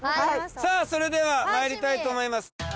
さあそれでは参りたいと思います。